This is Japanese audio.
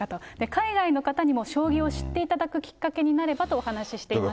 海外の方にも将棋を知っていただくきっかけになればとお話ししていました。